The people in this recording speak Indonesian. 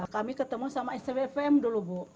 kami ketemu sama spfm dulu bu